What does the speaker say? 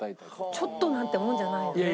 ちょっとなんてもんじゃないよね。